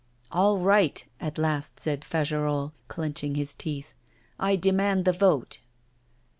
'All right,' at last said Fagerolles, clenching his teeth. 'I demand the vote.